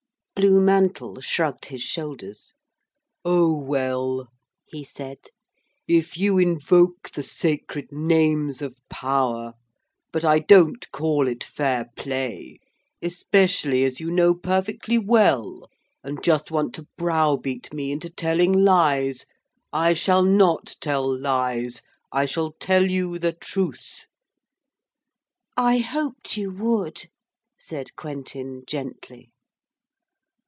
Blue Mantle shrugged his shoulders. 'Oh, well,' he said, 'if you invoke the sacred names of Power.... But I don't call it fair play. Especially as you know perfectly well, and just want to browbeat me into telling lies. I shall not tell lies. I shall tell you the truth.' 'I hoped you would,' said Quentin gently.